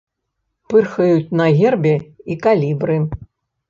Пырхаюць на гербе і калібры.